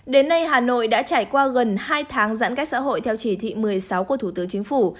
đến nay hà nội đã trải qua gần hai tháng giãn cách xã hội theo chỉ thị một mươi sáu của thủ tướng chính phủ